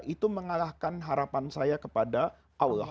itu mengalahkan harapan saya kepada allah